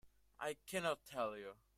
I cannot tell you.